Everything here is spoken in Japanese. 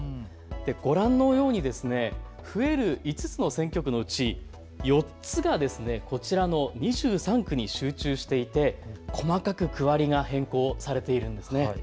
ご覧のように増える５つの選挙区のうち４つがこちらの２３区に集中していて細かく区割りが変更されているんですね。